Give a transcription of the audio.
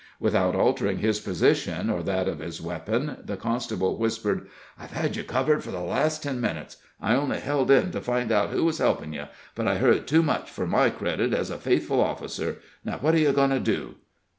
Without altering his position or that of his weapon, the constable whispered: "I've had you covered for the last ten minutes. I only held in to find out who was helping you; but I heard too much for my credit as a faithful officer. Now, what are you going to do?"